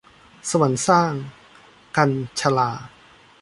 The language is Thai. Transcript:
สวรรค์สร้าง - กัญญ์ชลา